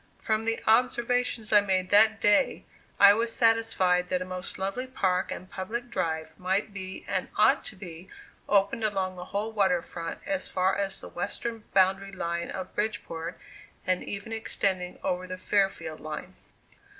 From the observations I made that day, I was satisfied that a most lovely park and public drive might be, and ought to be opened along the whole water front as far as the western boundary line of Bridgeport, and even extending over the Fairfield line.